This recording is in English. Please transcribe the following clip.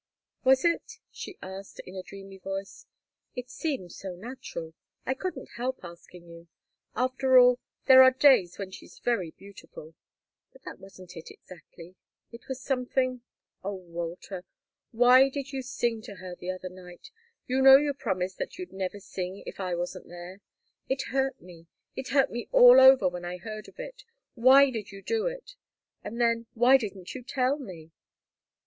"Was it?" she asked, in a dreamy voice. "It seemed so natural. I couldn't help asking you. After all, there are days when she's very beautiful. But that wasn't it, exactly. It was something oh, Walter! why did you sing to her the other night? You know you promised that you'd never sing if I wasn't there. It hurt me it hurt me all over when I heard of it. Why did you do it? And then, why didn't you tell me?"